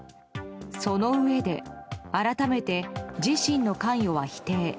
そのうえで改めて自身の関与は否定。